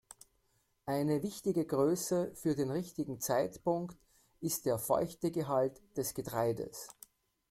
Eine wichtige Größe für den richtigen Zeitpunkt ist der Feuchtegehalt des Getreides.